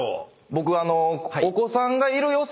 僕。